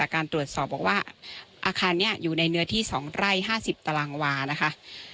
การตรวจสอบบอกว่าอาคารนี้อยู่ในเนื้อที่๒ไร่๕๐ตารางวานะคะ